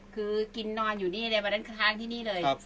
คือกินนอนอยู่นี่เลยไหม